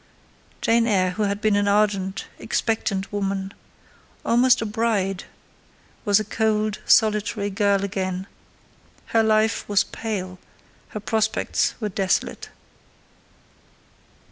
Jane Eyre, who had been an ardent, expectant woman—almost a bride, was a cold, solitary girl again: her life was pale; her prospects were desolate.